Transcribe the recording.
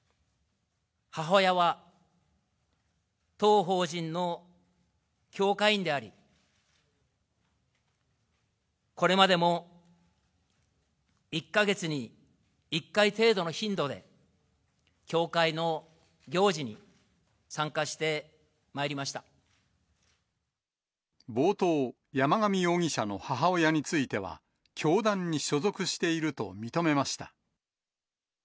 母親は当法人の教会員であり、これまでも１か月に１回程度の頻度で、教会の行事に参加してまい冒頭、山上容疑者の母親については、教団に所属していると認めました。